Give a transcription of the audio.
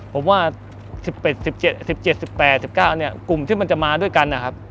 ผมว่า๑๑๑๗๑๘๑๙เนี่ยกลุ่มที่มันจะมาด้วยกันนะครับ